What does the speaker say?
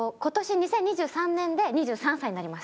２０２３年で２３歳になります。